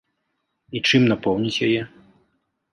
І чым напоўніць яе?